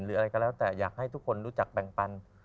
อะไรก็แล้วแต่อยากให้ทุกคนรู้จักแบ่งปัน